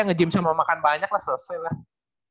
nge gym sama makan banyak lah selesai lah